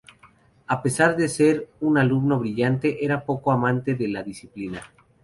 A pesar de ser un alumno brillante era poco amante de la disciplina.